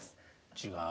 違う？